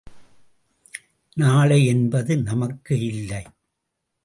நாளை என்பது நமக்கு இல்லை!